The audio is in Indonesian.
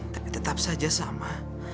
tapi tetap saja sama